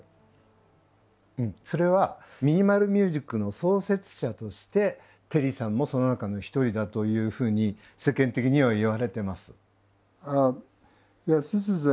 それはミニマル・ミュージックの創設者としてテリーさんもその中の一人だというふうに世間的にはいわれてます。